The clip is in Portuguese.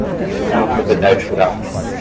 Uma propriedade rural.